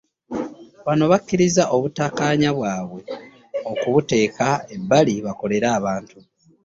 Bano bakkirizza obutakkaanya bwabwe okubuteeka ebbali bakolere abantu